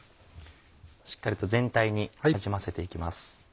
しっかりと全体になじませていきます。